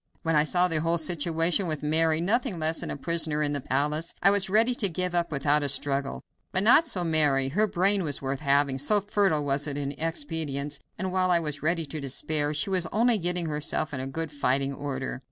When I saw the whole situation, with Mary nothing less than a prisoner in the palace, I was ready to give up without a struggle, but not so Mary. Her brain was worth having, so fertile was it in expedients, and while I was ready to despair, she was only getting herself in good fighting order.